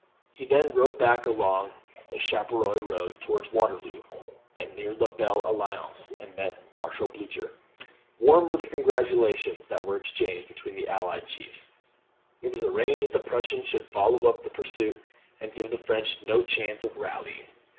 He then rode back along the Charleroi road toward Waterloo: and near La Belle Alliance he met Marshal Blucher. Warm were the congratulations that were exchanged between the Allied Chiefs. It was arranged that the Prussians should follow up the pursuit, and give the French no chance of rallying.